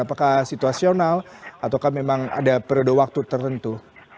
apakah situasional atau memang ada periode waktu tertentu